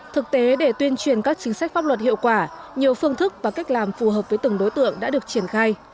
thực tế để tuyên truyền các chính sách pháp luật hiệu quả nhiều phương thức và cách làm phù hợp với từng đối tượng đã được triển khai